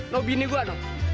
lu bini gua nuh